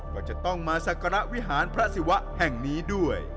ก็จะต้องมาสักการะวิหารพระศิวะแห่งนี้ด้วย